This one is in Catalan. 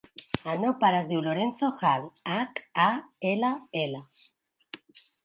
El meu pare es diu Lorenzo Hall: hac, a, ela, ela.